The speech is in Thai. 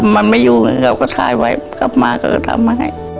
ก็ไม่อยู่นะคะเลยชายเหล้ากลับมาก็ก็ทำให้